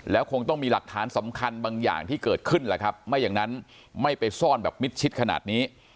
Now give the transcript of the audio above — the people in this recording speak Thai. แล้วคงต้องมีหลักฐานสำคัญบางอย่างที่เกิดขึ้นแหละครับไม่อย่างนั้นไม่ไปซ่อนแบบมิดชิดขนาดนี้